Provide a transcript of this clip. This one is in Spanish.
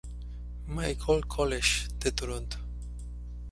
Michael's College de Toronto.